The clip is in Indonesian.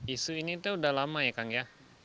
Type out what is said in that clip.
isu ini itu sudah lama ya kang ya